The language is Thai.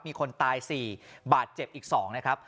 มีคนตาย๔บาทเจ็บอีก๒นะครับ